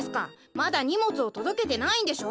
まだにもつをとどけてないんでしょ？